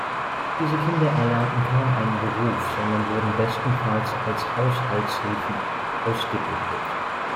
Diese Kinder erlernten kaum einen Beruf, sondern wurden bestenfalls als Haushaltshilfen „ausgebildet“.